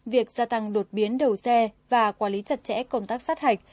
việc gia tăng đột biến đầu xe và quản lý chặt chẽ công tác sát hạch